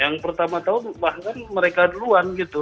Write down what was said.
yang pertama tahun bahkan mereka duluan gitu